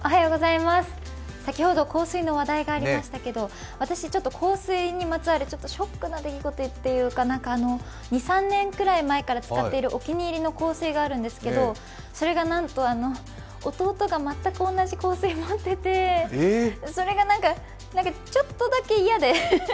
先ほど香水の話題がありましたけど、私、香水にまつわるショックな出来事というか、２３年ぐらい前から使ってるお気に入りの香水があるんですけど弟が全く同じものでそれがちょっとだけ嫌で。